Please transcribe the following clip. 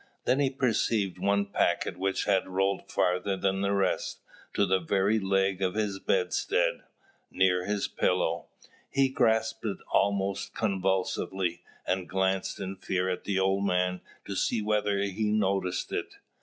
Then he perceived one packet which had rolled farther than the rest, to the very leg of his bedstead, near his pillow. He grasped it almost convulsively, and glanced in fear at the old man to see whether he noticed it.